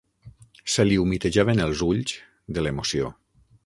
Se li humitejaven els ulls, de l'emoció.